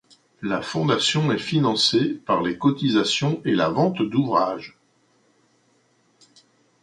La fondation est financée par les cotisations et la vente d'ouvrages.